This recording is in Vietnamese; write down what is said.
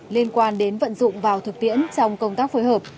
liên quan đến vận dụng vào thực tiễn trong công tác phối hợp